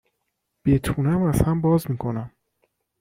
بتونم از هم باز می کنم